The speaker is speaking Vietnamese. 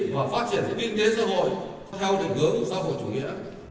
và phát triển kinh tế xã hội theo định hướng xã hội chủ nghĩa